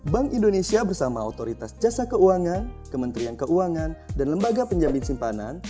bank indonesia bersama otoritas jasa keuangan kementerian keuangan dan lembaga penjamin simpanan